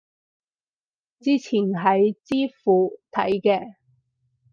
之前喺知乎睇嘅